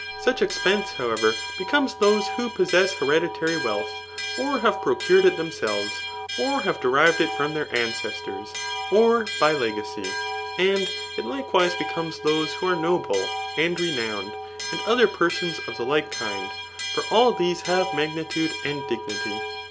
Such expenseti howev^, becomes those who possess harediiary vadtb, or have procured it themselves, or have derived it from their ancestors^ or by legacy. And it likawiae beoofties those who are noble and renowned, and oifaer persons of the like kind ; for all these have magnitude and dignity.